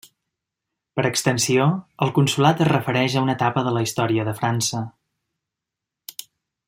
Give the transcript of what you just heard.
Per extensió, el consolat es refereix a una etapa de la història de França.